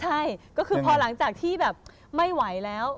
ใช่ก็คือพอหลังจากที่แบบไม่ไหวแล้ว